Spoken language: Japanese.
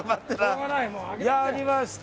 やりました！